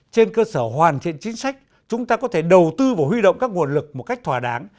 trên cơ sở hoàn thiện chính sách chúng ta có thể đầu tư và huy động các nguồn lực một cách thỏa đáng